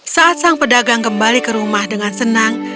saat sang pedagang kembali ke rumah dengan senang